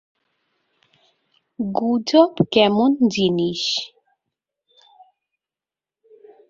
গুজব কেমন জিনিস?